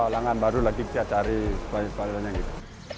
langan baru lagi kita cari supplier supplier lainnya gitu